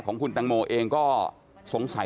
ของคุณตังโมเองก็สงสัย